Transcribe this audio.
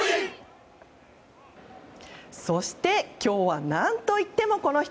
そして、今日は何といってもこの人。